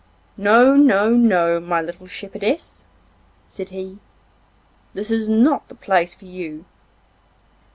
'No, no, my little shepherdess,' said he, 'that is not the place for you.